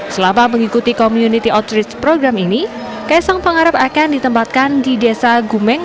selama mengikuti community outreach program ini kaisang pangarep akan ditempatkan di desa gumeng